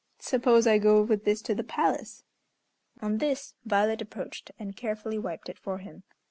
Suppose I go with this to the Palace?" On this Violet approached and carefully wiped it for him.